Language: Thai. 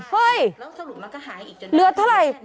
เฮ่ยเลือดเท่าไร